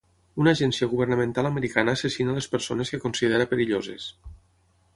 Una agència governamental americana assassina les persones que considera perilloses.